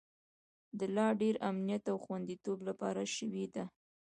د لا ډیر امنیت او خوندیتوب لپاره شوې ده